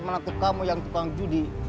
saya menangkap kamu yang tukang judi